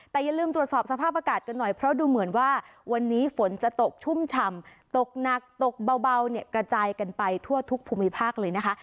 แต่อย่าลืมตรวจสอบสภาพอากาศกันหน่อยเพราะดูเหมือนว่าวันนี้ฝนจะตกชุ่มฉ่ำตกหนักตกเบาเนี่ยกระจายกันไปทั่วทุกภูมิภาคเลยนะคะ